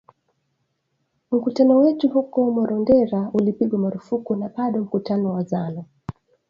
Mkutano wetu huko Marondera ulipigwa marufuku na bado mkutano wa Zanu